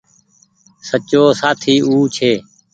سچو سآٿي او ڇي